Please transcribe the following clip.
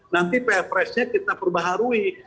nanti ppres nya kita perbaharui